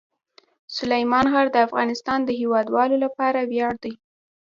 سلیمان غر د افغانستان د هیوادوالو لپاره ویاړ دی.